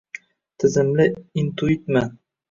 — Tizimli intuitman?